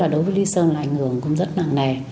đối với lý sơn là ảnh hưởng cũng rất nặng nề